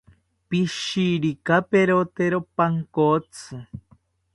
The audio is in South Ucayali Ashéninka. Pishirikaperotero pankotzi